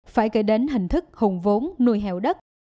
phải kể đến hình thức hùng vốn nuôi heo đất